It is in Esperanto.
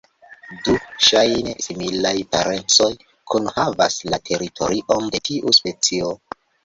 Du ŝajne similaj parencoj kunhavas la teritorion de tiu specio.